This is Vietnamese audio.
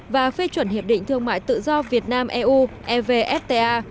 và phê chuẩn hiệp định thương mại tự do việt nam eu evfta